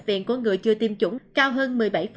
viện của người chưa tiêm chủng cao hơn một mươi bảy